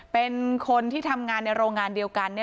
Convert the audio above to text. เป็นคนที่ทำงานในโรงงานเดียวกัน